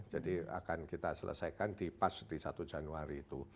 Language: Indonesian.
jadi akan kita selesaikan di pas di satu januari itu